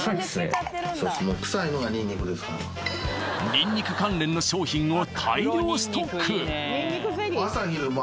ニンニク関連の商品を大量ストック朝昼晩